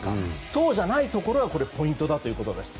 そうじゃないところがポイントだということです。